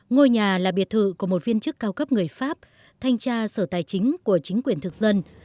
ngôi nhà là biệt thự của một viên chức cao cấp người pháp thanh tra sở tài chính của chính quyền thực dân